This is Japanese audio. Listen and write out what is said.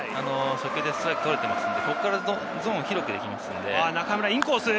先ほどストライクとれてますんで、ここからゾーンを広くできますので。